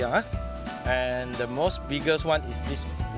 layang layang paus terbesar adalah layang layang ini